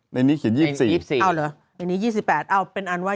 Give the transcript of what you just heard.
ในนี้เขียน๒๔๒๔เอาเหรอในนี้๒๘เอาเป็นอันว่า